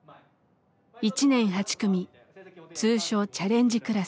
１年８組通称チャレンジクラス。